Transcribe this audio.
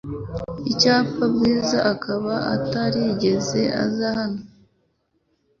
Icyampa Bwiza akaba atarigeze aza hano .